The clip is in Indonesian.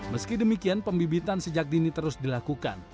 meski demikian pembibitan sejak dini terus dilakukan